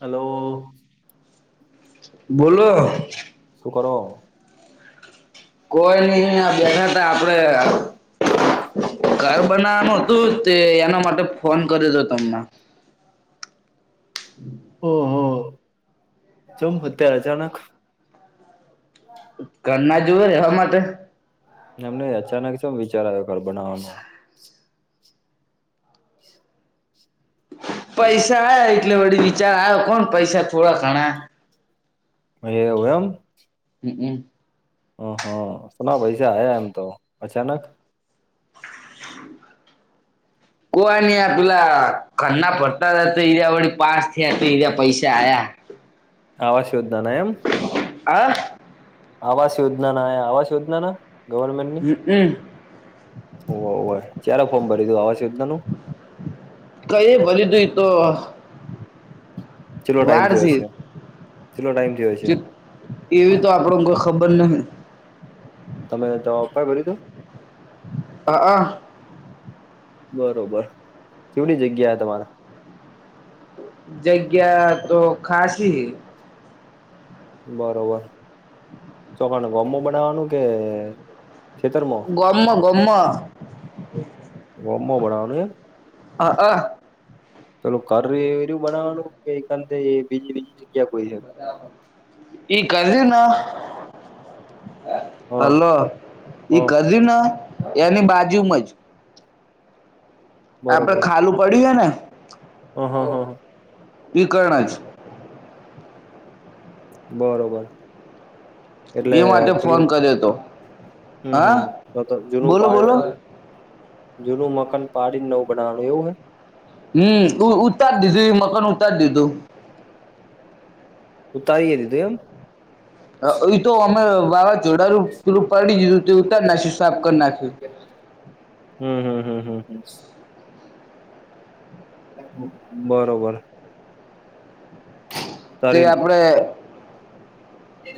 Hello બોલો શું કરો કોઈ નઈ આ બેઠાતા આપડે ઘર બનાવાનું હતું તે એના માટે ફોન કર્યો હતો તમને ઓહ જોમ હત્યા અચાનક કરના જુએ રહેવા માટે એમને અચાનક છે વિચાર્યો ઘર બનાવવાનું [unintelligible] પૈસા આ એટલે વળ વિચાર આવ્યો કોણ પૈસા થોડા ઘણા એવુ એમ હમમ હમ હમ સુના પૈસા આયા એમ તો અચાનક [unintelligible] કો નહ આ પેલા ખરના ફરતા હતા તો ઈરા વળી પાસ થયા તો ઈ પૈસા આયા આવાસ યોજના ના એમ [inaudible] આવાસ યોજના ના આવાસ યોજના ના ગવર્મેન્ટની હ હમ ઓ હોય ક્યારે ફોર્મ ભરી દું આવાસ યોજના નું કઈ ભરી ઈ તો છેલ્લો ટાઈમ વાર જે હો છે છેલ્લો ટાઈમ થયો છે એવી તો આપણ કોઈ ખબર નહીં. તમે [unintelligible] ભર્યું તું હ હ બરોબર કેવડી જગ્યા તમાર જગ્યા તો ખાસી બરોબર તો કોણ [unintelligible] બનાવાનું કે ખેતરમાં ગોમ ગોમ ગોમમો બનાવાનું એમ હ હ પેલુ [unintelligible] બનાવાનું કે [unintelligible] બીજ બીજી ક્યા કોઈ એ [unintelligible] હા હલો હા એ [unintelligible] ના એની બાજુમાં જ આપડે ખાલું પડ્યું હ ને ઓ હો હો [unintelligible] બરોબર એટલે એ માટે ફોન પેલું કર્યો તો હમ હા હમ તો જૂનું બોલો પાડે બોલો જુનું મકાન પાડી નવુ બનાવાનું એવું હ હમ ઉતારી દીધું એ મકાન ઉતારી દીધું. ઉતારીએ દીધું એમ એ તો અમે વાવાઝડાડું પેલું પડી દીધું તે ઉતાર નાખી સાફ કરી નાખી. હમ હમ હમ હમ હમ. બરોબર. તે તારી આપણે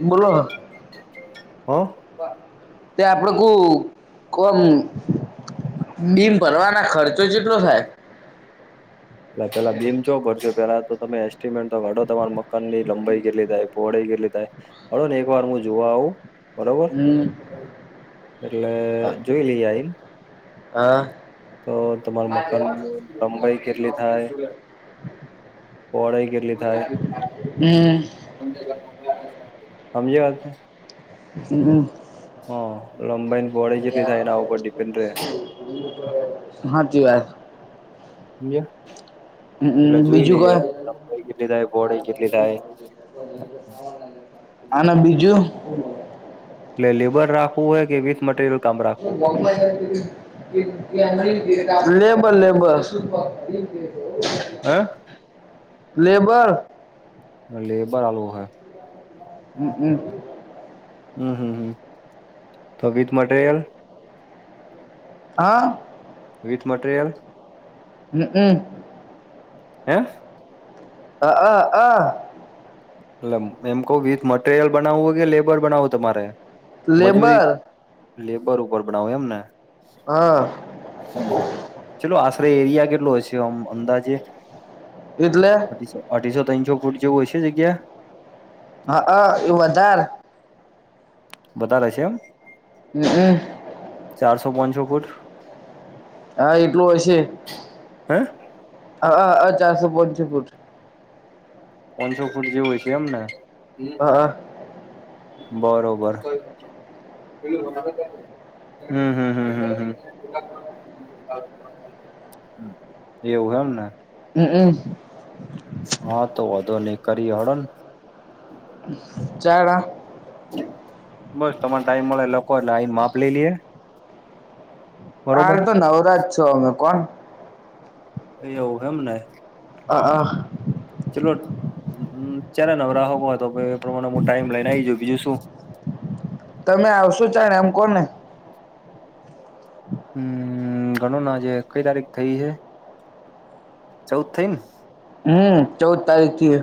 બોલો હ તે આપડે કોમ બિમ ભરવાના ખર્ચો કેટલો થાય. એટલે પેલા બીમ જો ભરજો પેલા તો તમે એસ્ટિમેટ તો કાઢો તમારા મકાન ની લંબાઈ કેટલી થાય પહોળાઈ કેટલી થાય. હો ને એક વાર હું જોવા આવું. બરોબર હમ એટલે જોઈ લઈએ આઈન હા. તો તમારું મકાન લંબાઈ કેટલી થાય. [inaudible] પોળાઈ કેટલી થાય હમ સમજી વાત. હમ્મ. હા લંબાાઈને પહોળાઈ કેટલી થાય એના ઉપર ડીપેન્ડ રે. હાચી વાત. જ એટલે હમ જોઈ લઈએ બીજું લંબાઈ કેટલી થાય પહોળાઈ કેટલી થાય. અને બીજું એટલે લેબર રાખવું હોય કે વથ material Bombay air ticket labour labour. Labour હ લેબર આું હે. હમ્મ હમ્મ. હમ હમ હમ તો વિથ મટરિયલ. હા. With material. હમ્મ હમ્મ. હે. અ હ હ. એટલે એમ કહુ વિથ મટેરિયલ બનાવવું હોય કે લેબર બનાવવું તમારે મજૂરી. લેબર લેબર ઉપર બનાવો એમને. હા. ચલો આશરે એરિયા કેટલો હશે આમ અંદાજે. એટલે. અઢીસો તનસો ફૂટ જેવું હશે જગ્યા. હા આ ઇ વધાર વધારે છે એમ હ હ. ચારસો પાનસો ફૂટ. હા એટલું હશે. હા. હ હ ચારસો પાનસો ફુટ. પાનસો ફૂટ જેવું હશે એમને. હા બરોબર. હમ હમ હમ હમ હમ એવું એમ ને હમ હમ હા તો વધો નહી કરી હળો ને ચાર બસ તમારે ટાઈમ મળે લોકો લા‌ઈ ને માપ લઈ લિએ. હાલ તો નવરા છો અમે પણ એવું એમને હ હ ચલો ચારે નવરાહ હો એ પ્રમાણે હ ટાઈમ લઈને આવી જાઉ બીજું શું તમે આવશો ચા ને એમ કો ને હમ ઘણો નાજ કઈ તારીખ થઇ એ ચૌઉદ થ‌ઈ ને હમ ચૌદ તારીખ થી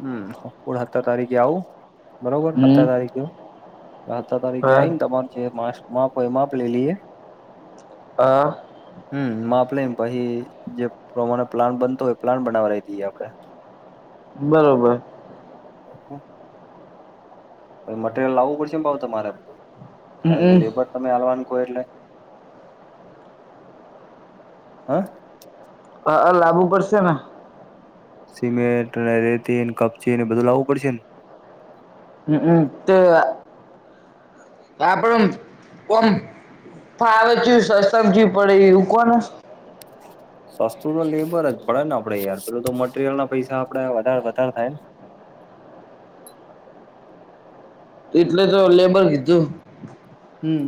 હું હત્તર તારીખે આવું બરોબર હત્તર હમ તારીખે. હતર તારીકેે હા આઈને તમારું જે મા માપ હોય માપ લઈ લઈએ હા હમ માપ લે‌ઈ પછી જે પ્રમાણે પ્લાન બનતો હોય પ્લાન બનાવાએ જ‌ઈએ આપડે બરોબર હમ મટરિયલ લાવવું પડશે પણ તમારે કારણ કે હમ લેબર તમે આલવાનું કો એટલે હા હા લાગુ પડશે ને સિમેન્ટ અને રેતીન કપચીને બધું લાવવું પડશે ને. હું કુ તો આપડુ કામ ફાવચું સમજવી પડે એવું કોને. [inaudible] સસ્તું તો લેબર જ પડે ને આપડે યાર, પેલું તો મટીરિયલ ના પૈસા આપડે વધારે વધારે થાય ને? એટલે તો લેબર કીધું. હમ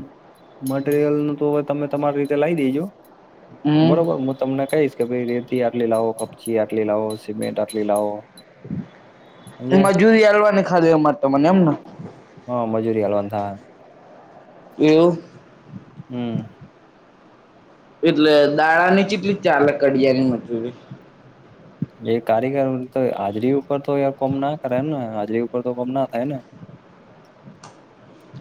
મટીરિયલ નું તો હવે તમે તમારી રીતે લાઈ દેજો. બરોબર હમ હું તમને કહીશ. કે ભાઈ રેતી આટલી લાવો કપચી આટલી લાવો સિમેન્ટ આટલી લાવો. સમજ્યા મજૂરી આલવાને ખાલી અમારે તમને એમને હા મજૂરી અલવાંત એવું હમ એટલે દાડઆની કેટલી ચાલે કડિયાની મજૂરી? એ કારીગર તો હાજરી ઉપર તો યાર કોમ ના કરે ને હાજરી ઉપર તો કોમ ના થાય ને.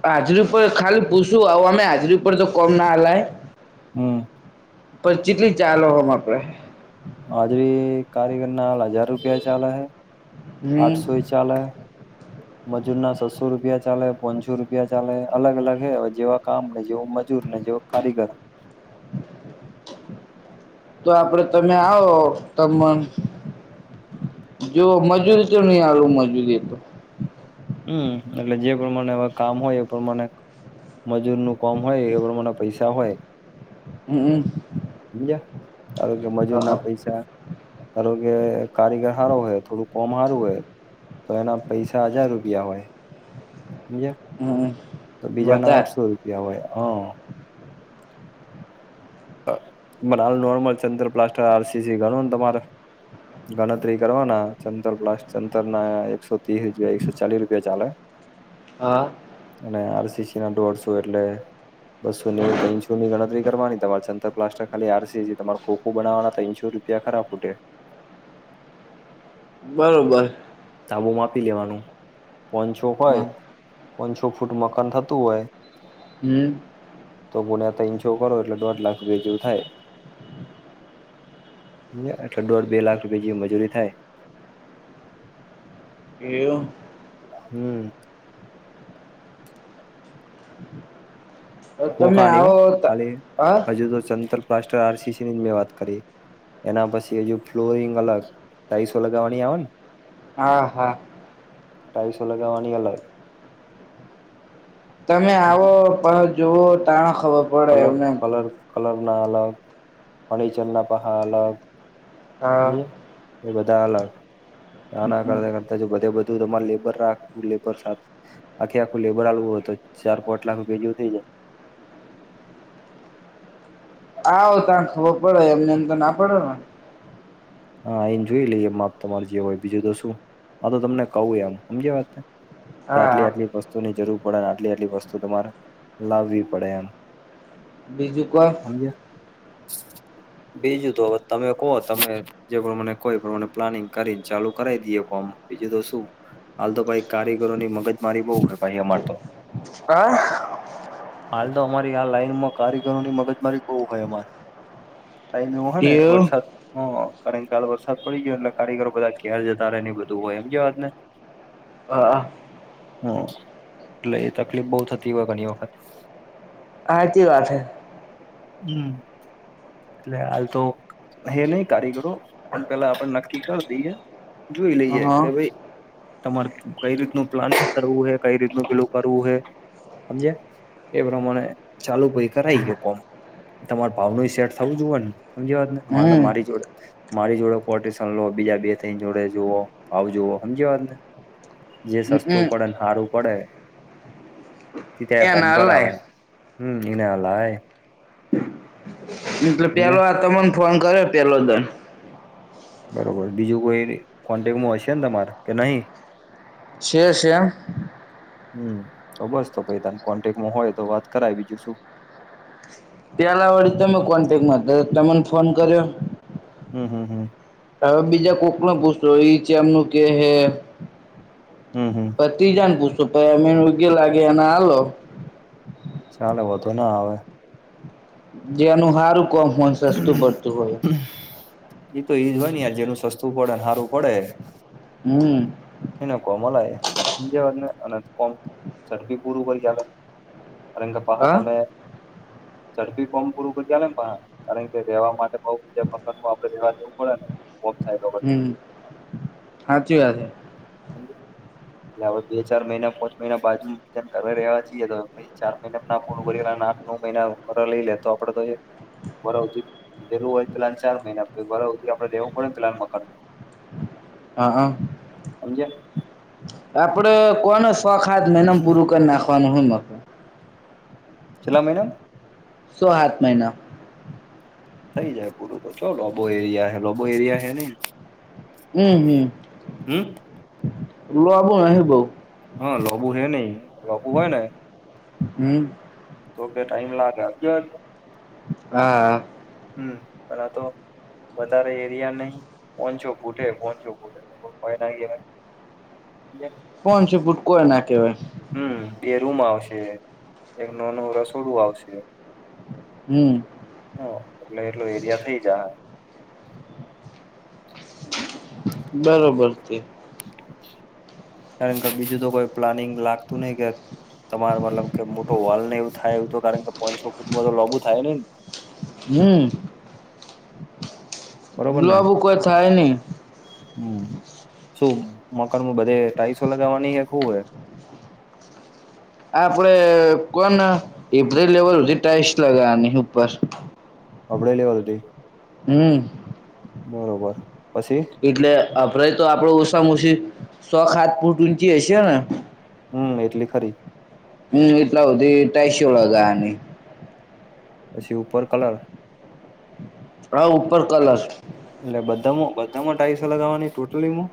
હાજરી ઉપર ખાલી પૂછું આવ અમે હાજરી ઉપર તો કોમ ના આલાય. હમ્મ. પણ ચીટલી ચાલો આમ આપડે? આજે કારીગરના હજાર રૂપિયા ચાલે હૈ, હમ આઠસો ચાલે હૈ. મજૂર ના છસો રૂપિયા ચાલે, પોનસો રૂપિયા ચાલે અલગ અલગ હે હવે જેવા કામ ને જોવું મજૂર. કારીગર. તો આપડે તમે આવો, તમણ. જો મજૂરી તો નહી આલું મજૂરી તો. હમ્મ, એટલે જે પ્રમાણે આવા કામ હોય એ પ્રમાણે. મજૂર નું કોમ હોય એ પ્રમાણે પૈસા હોય. હમ્મ. સમજયા? ધારો કે મજૂર ના પૈસા ધારો કે કારીગર હારો હોય થોડું કોમ સારું હોય તો એના પૈસા હજાર રૂપિયા હોય. હમ હમજા બીજાના વધાર આઠસો રૂપિયા હોય, હા. માલ નોર્મલ ચંદ્ર પ્લાસ્ટર આર સી સી ગણું ને તમારે? ગણતરી કરવાના ચંતર બ્લાસ્ટ ચંતર ના એકસો ત્રીસ એકસો ચાલીસ રૂપિયા ચાલે. હા. અને આર સી સી ના દોઢસો એટલે બસો નેવું તો ઈંસો ની ગણતરી કરવાની તમારે. ચનતર પ્લાસ્ટર ખાલી આરસી તમારે ખોખો બનાવાના તોસો રૂપિયા ખરાબ ઉઠે. બરોબર. ધાબુ માપી લેવાનું, પોં છોક હા હોય, પોન છો ફૂટ મકાન થતું હોય હમ્મ. સો ગુના ત્રણસો કરો એટલે દોઢ લાખ રૂપે જેવું થાય. એટલે દોઢ બે લાખ રૂપિયા જેવી મજૂરી થાય. એમ? હમ્મ. તમે ખોખાની હો આવો ખાલી હા હજુ તો ચનતર, પ્લાસ્ટર, આર સી સી ની મેં વાત કરી. એના પછી હજુ ફ્લોરિંગ અલગ, ટાઈલ્સો લગાવવાની આવે ને? હા હા. ટાઈસો લગવાની અલગ. તમે આવો પણ જોવો તા ખબ કલર, કલર, કલર ના અલગ ફણીચર ના પાહા અલગ. હા [unintelligible] એ બધા અલગ નાના કરતા કર બધે બધું તમારે લેબર રાખું લેબર સાથ. આખી આખું લેબર આલવું હોય તો ચાર પાટ લાખપેજું થઈ જાય. આવ તા ખબર પડે એમને એમ તો ના પડે ને. હા, એન જોઈ લઈએ માપ તમારે જે હોય બીજું તો શું આ તો તમને કહું આમ, સમજા વાત? કે આટલી હા આટલી વસ્તુની જરૂર પડે આટલી આટલી વસ્તુ તમારે લાવવી પડે એમ બીજું ક સમજ બીજું તો તમે કો તમે જે પ્રમાણે કો ઈ પમને પ્લાનિંગ કરીને ચાલુ કરાવ દઈએ કોમ બીજું તો શું હાલ તો ભાઈ કારીગરોની મગજ મારી બવ ઘટે અમાર તો. હા હાલ તો અમારી આ લાઈનમાં કારીગરો ની મગજ મારી કેવું હોય અમાર. એવું હે ને એવું વરસાદમાં કારણ કે ચાલ વરસાદ પડી ગયો એટલે કારીગરો બધા ઘેર જતા રહે ને એ બધું હોય એમ કે વાત ને. હા. હમ એટલે એ તકલીફ બહુ થતી હોય ઘણી વખત આચી વાત છે હમ એટલે હાલ તો હે નહ કારીગરો પણ પેલા આપણે નક્કી કરી દઈએ જોઈ લઈએ કે હા ભાઈ તમારે કઈ રીતનું પ્લાનિંગ કરવું હે કઈ રીતનું પેલું કરવું હે સમજ એ પ્રમાણે ચાલુ ભાઈ કરાઈ ગયો કોમ તમાર ભાવ ન સેટ થવું જોવ ને સમજ વાત ને મા હમ મારી જોડે મારી જોડે કોટેશન લો બીજા બે થઈ જોડે જુઓ આવ જોુઓ સમજી વાત ને જે સસ્તું હમ પડે સારું પડે તે ત્યા કોમ એના અલાય કરાવે હમ ને અલા એટલે પેલો સમજ્યા આ તમને ફોન કર્યો પેલો દં બરોબર બીજું કોઈ કોન્ટેકમાં હશે ને તમારા કે નહી છે છે હમ તો બસ તો પ તને કોન્ટેકમાં હોય તો વાત કરાય બીજું શું ત્યા લ વડી તમે કોન્ટેક ન કર્યો તને ફોન કર્યો હમ હમ હમ હવે બીજા કોક ન પૂછતો એ છે એમનું કે હે હમ હમ પછ ત્રીજાને પૂછો પ એમે યોગ્ય લાગે એને આલો ચાલે વધુ ના આવે જે નુ હારૂ એતો એજ હોય ને જેનું સસ્તું પડે સારું પડે હમ એ કોમલા ને અને કો ડી પૂરું કરી ચલે રંગપા હા તમે ઝડપી કોમ પૂરું પ્યાને પણ કારણ કે રેવા માટે બઉ બીજામાં આપેવા જવું પડે ને થાય હમ સાાચી વાત છે. એટ હ બે ચાર મહિના પાંચ મહિના બાજુજન કરવા રહ્યા છીએ તો ચાર મહિના ના પૂરું ભલા આઠ નવ મહિના વ લઈ લે તો આપડે તો એ પેરું હોય પલાન ચાર મહિના પ બધ આપેવું પડને પલાન મકાનમાં હા હા હમજ્યા આપડે કોનો શોખાથ મનમ પૂરું કરી નાખવાનું હોય કેટલા મહીના સો સાત મહિના થઈ જાય પૂરું તો ચો લોબો એરિયા હે લોબો એરિયા હે નહ હમ હમ હમ લોબો નહી બઉ હા લોબુ છેે નહ લોબુ હોય ને હમ. તો કે ટાઈમ લાગે. હા. હમ એ તો. વધારે એરિયા નહી કોચો ભૂટે કોચો ભૂટે કો ના કવાય જે કોણ છે ભૂટકો એ ના કહેવાય હમ બે રૂમ આવશે એક ન ન રસોડું આવશે હમ હ એટલું એટલું એરિયા થઇ જા હ બરોબર છે કારણ કે બીજું તો કોઈ પ્લાનિંગ લાગતું નહિ કે. તમારે મતલબ કે મોટો વલ ને એવું થાય એવું કારણ કે પોઈન્ટસો કુટુંમાં તો લોગુ થાય નનેને. હમ બરોબર ને બબુ કોઈ થાય નહ. હમ શું મકાનમાં બધે ટાઈસો લગાવવાની એ ખવું હોય આ આપડે કોન એ લેવલધી ટાઈસ લગાવવાની ઉપર. અભડેલી વા હતી. હમ. બરોબર પછી. એટલે અરે તો આપડ ઓછાામ ઓછી સોખાત ફૂટ ઊંચી હશે ને. હમ એટલી ખરી. હમ એટલા હોતી તઈ શ ઓળ ગા અને. પછી ઉપર કલર. હા ઉપર કલસ. એટલે બધામાં બધામાંઢાઈસો લગાવવાની ટોટલીમાં.